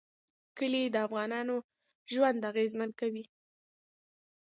کلي د افغانانو ژوند اغېزمن کوي.